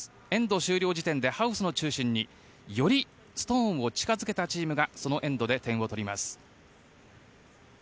エンド終了時点でハウスの中心によりストーンを近付けたチームがそのエンドで点を取ります。